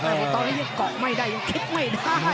แต่ตอนนี้ยังเกาะไม่ได้ยังคิดไม่ได้